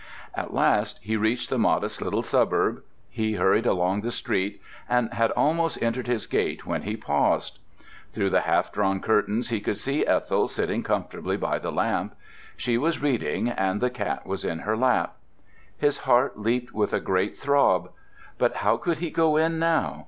At last he reached the modest little suburb. He hurried along the street and had almost entered his gate when he paused. Through the half drawn curtains he could see Ethel sitting comfortably by the lamp. She was reading, and the cat was in her lap. His heart leaped with a great throb. But how could he go in now?